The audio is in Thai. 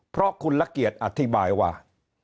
เพราะคุณละเกียจอธิบายว่า